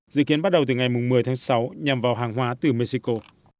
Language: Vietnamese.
dự kiến bắt đầu từ ngày một mươi tháng sáu nhằm vào hàng hóa từ mexico